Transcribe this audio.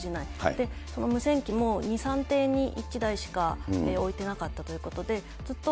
で、その無線機も２、３ていに１台しか置いてなかったということで、ずっと。